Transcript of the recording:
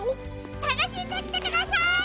たのしんできてください！